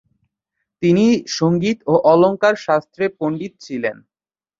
তিনি সঙ্গীত ও অলঙ্কার শাস্ত্রে পণ্ডিত ছিলেন।